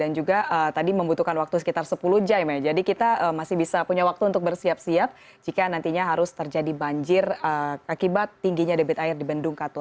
dan juga tadi membutuhkan waktu sekitar sepuluh jam ya jadi kita masih bisa punya waktu untuk bersiap siap jika nantinya harus terjadi banjir akibat tingginya debit air di bendung katulampa